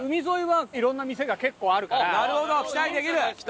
期待できる！